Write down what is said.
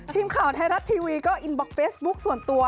ทีมข่าวไทยรัฐทีวีก็อินบล็อกเฟซบุ๊คส่วนตัว